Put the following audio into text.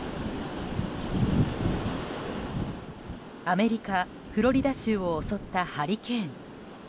アメリカ・フロリダ州を襲ったハリケーン。